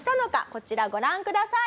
こちらご覧ください。